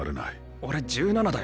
俺１７だよ。